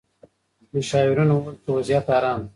مشاورینو وویل چې وضعیت ارام دی.